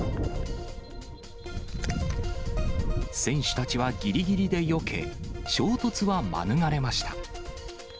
選手たちはぎりぎりでよけ、衝突は免れました。